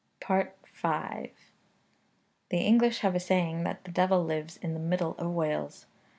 V. The English have a saying that the devil lives in the middle of Wales.